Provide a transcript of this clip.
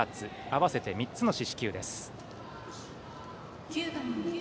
合わせて３つの四死球です。